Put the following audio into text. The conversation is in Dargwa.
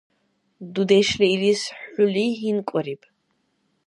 Дудешли илис хӀули гьинкӀбариб.